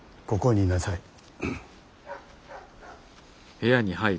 ここにいなさい。